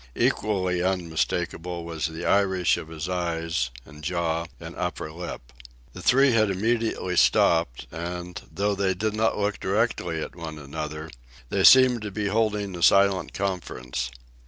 Equally unmistakable was the Irish of his eyes, and jaw, and upper lip. The three had immediately stopped, and, though they did not look directly at one another, they seemed to be holding a silent conference.